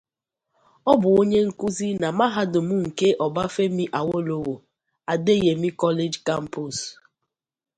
Ọ bụ onye nkuzi na mahadum nke Obafemi Awolowo (Adeyemi College Campus).